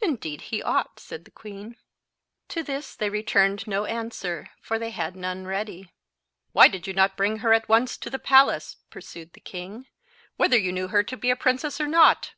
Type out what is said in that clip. "Indeed he ought," said the queen. To this they returned no answer, for they had none ready. "Why did you not bring her at once to the palace," pursued the king, "whether you knew her to be a princess or not?